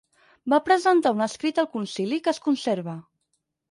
Va presentar un escrit al concili que es conserva.